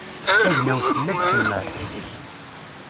Tagnawt fell-i ad temmar.